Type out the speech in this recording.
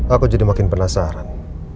aku jadi makin penasaran